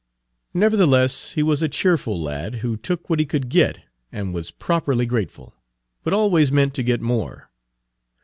Nevertheless he was a cheerful lad, who took what he could get and was properly grateful, but always meant to get more.